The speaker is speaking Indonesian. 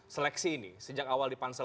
seleksi ini sejak awal di pansel